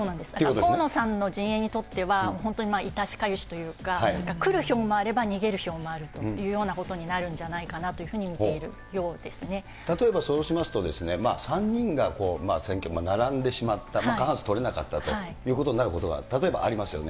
河野さんの陣営にとっては、本当に痛しかゆしというか、来る票もあれば逃げる票もあるんじゃないかというふうに見ている例えば、そうしますと、３人が選挙に並んでしまった、過半数取れなかったということになることがありますよね。